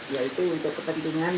yaitu untuk kepentingan